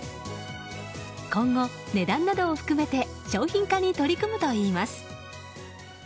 今後、値段などを含めて商品化に取り組むといいます。